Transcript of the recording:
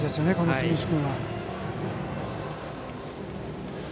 住石君は。